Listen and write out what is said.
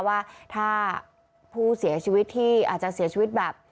ว่าถ้าผู้เสียชีวิตที่อาจจะเสียชีวิตแบบ